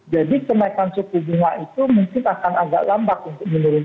jadi kemaikan suku bunga itu mungkin akan agak lambat untuk menurun